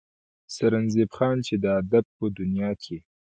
سرنزېب خان چې د ادب پۀ دنيا کښې